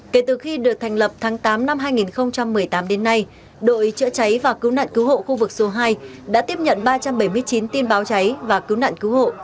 kể từ khi được thành lập tháng tám năm hai nghìn một mươi tám đến nay đội chữa cháy và cứu nạn cứu hộ khu vực số hai đã tiếp nhận ba trăm bảy mươi chín tin báo cháy và cứu nạn cứu hộ